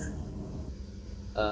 menurut saya tidak